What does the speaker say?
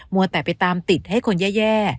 วัวแต่ไปตามติดให้คนแย่